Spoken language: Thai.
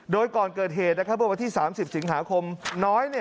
โดยก่อนเกิดเหตุเมื่อวันที่๓๐สิงหาคมน้อย